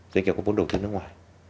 doanh nghiệp có vốn đầu tư nước ngoài